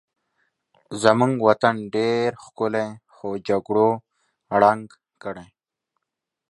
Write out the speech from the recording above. زمونږ وطن ډېر ښکلی خو جګړو ړنګ کړی